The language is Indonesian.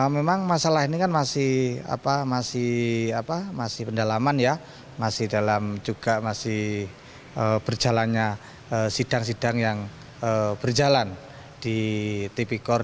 memang masalah ini kan masih pendalaman ya masih dalam juga masih berjalannya sidang sidang yang berjalan di tipikor